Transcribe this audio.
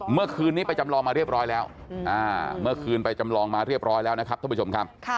เมื่อคืนนี้ไปจำลองมาเรียบร้อยแล้วเมื่อคืนไปจำลองมาเรียบร้อยแล้วนะครับท่านผู้ชมครับ